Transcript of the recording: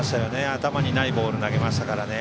頭にないボール投げましたからね。